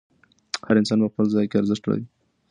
هر انسان په خپل ځای کې ارزښت لري.